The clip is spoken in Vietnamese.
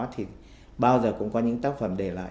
thì bao giờ cũng có những tác phẩm để lại